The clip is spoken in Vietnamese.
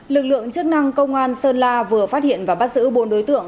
lực lượng chức năng công an sơn la vừa phát hiện và bắt giữ bốn đối tượng